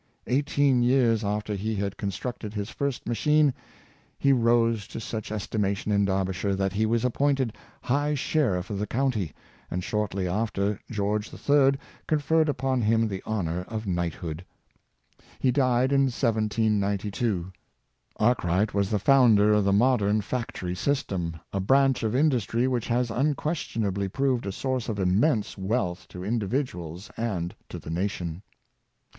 Eighteen years after he had constructed his first machine, he rose to such esti mation in Derbyshire that he was appointed High Sheriff of the county, and shortly after George III. con ferred upon him the honor of knighthood. He died in 214 William Lee. 1792. Arkwright was the founder of the modern fac tory system, a branch of industry which has unques tionably proved a source of immense wealth to individ uals and to the nation.